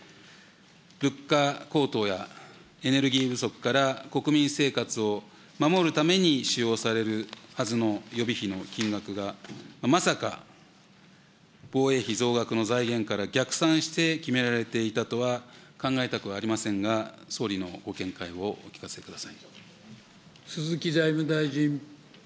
物価高騰やエネルギー不足から国民生活を守るために使用されるはずの予備費の金額が、まさか防衛費増額の財源から逆算して決められていたとは考えたくはありませんが、鈴木財務大臣。